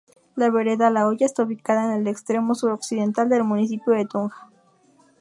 La vereda La Hoya está ubicada en el extremo suroccidental del municipio de Tunja.